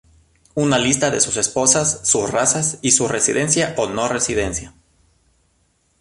Una lista de sus esposas, sus razas y su residencia o no residencia.